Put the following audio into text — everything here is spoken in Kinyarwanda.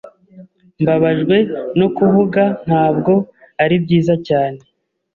Mbabajwe no kuvuga ntabwo ari byiza cyane.